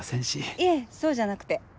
いえそうじゃなくて。